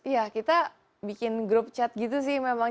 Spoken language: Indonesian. ya kita bikin grup chat gitu sih memang